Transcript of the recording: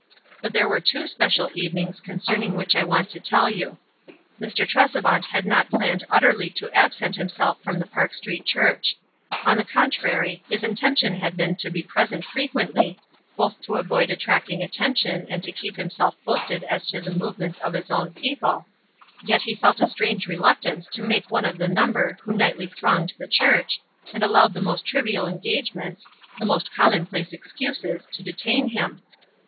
But there were two special evenings concerning which I want to tell you. Mr. Tresevant had not planned utterly to 328 WISE AND OTHERWISE. 9 absent himself from the Park Street Church ; on the contrary, his intention had been to be present frequently, both to avoid attracting attention and to keep himself posted as to the movements of his own people, yet he felt a strange reluc tance to make one of the number who nightly thronged the church, and allowed the most trivial engagements, the most commonplace excuses, to detain him.